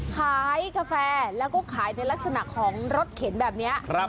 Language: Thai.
ขายกาแฟแล้วก็ขายในลักษณะของรถเข็นแบบนี้